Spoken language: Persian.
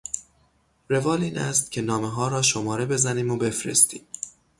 روال این است که نامهها را شماره بزنیم و بفرستیم.